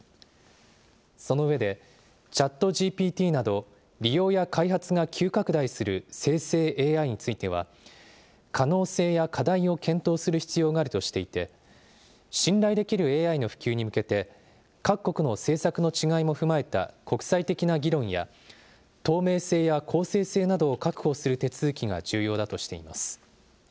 その上で、ＣｈａｔＧＰＴなど、利用や開発が急拡大する生成ＡＩについては、可能性や課題を検討する必要があるとしていて、信頼できるＡＩの普及に向けて、各国の政策の違いも踏まえた国際的な議論や、透明性や公正性などを確保する手続きが重要だとしています。